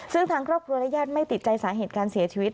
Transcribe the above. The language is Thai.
ซึ่งทางครอบครัวและญาติไม่ติดใจสาเหตุการเสียชีวิต